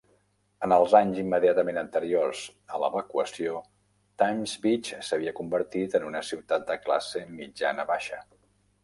En els anys immediatament anteriors a l'evacuació, Times Beach s'havia convertit en una ciutat de classe mitjana-baixa.